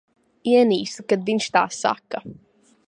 Ienīstu, kad viņš tā saka.